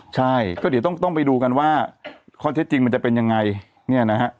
ใช่ก็เดี๋ยวต้องไปดูกันว่าข้อเท็จจริงมันจะเป็นยังไงเนี่ยนะฮะ